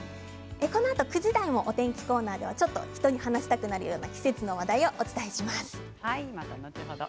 このあと９時台のお天気コーナーではちょっと人に話したくなるような季節の話題をお伝えします。